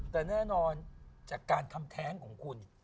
แต่แน่นอนจากการทำแท้งของคุณ